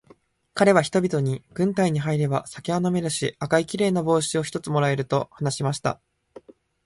かれは人々に、軍隊に入れば酒は飲めるし、赤いきれいな帽子を一つ貰える、と話しました。